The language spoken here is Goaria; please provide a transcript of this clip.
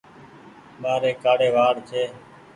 مآري ڪآڙي وآڙ ڇي۔